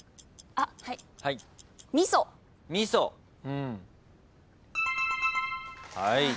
あっはい。